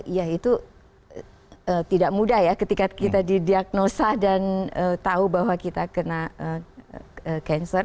ya itu tidak mudah ya ketika kita didiagnosa dan tahu bahwa kita kena cancer